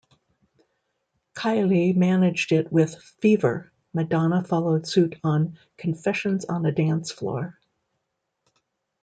Kylie managed it with "Fever", Madonna followed suit on "Confessions on a Dance Floor".